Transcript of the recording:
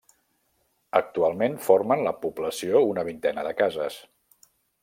Actualment formen la població una vintena de cases.